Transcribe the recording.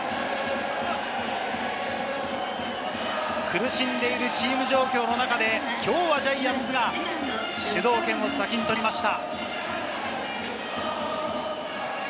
苦しんでいるチーム状況の中で、きょうはジャイアンツが主導権を先に取りました。